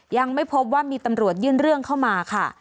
ยังไม่พบว่ามีตำรวจยื่นเรื่องเข้ามาค่ะ